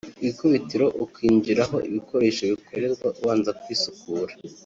Ku ikubitiro ukinjira aho ibikoresho bikorerwa ubanza kwisukura